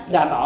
đảm bảo anh